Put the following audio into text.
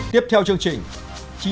tiếp theo chương trình